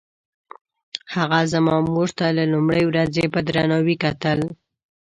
هغه زما مور ته له لومړۍ ورځې په درناوي کتل.